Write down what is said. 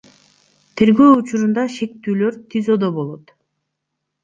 Тергөө учурунда шектүүлөр ТИЗОдо болот.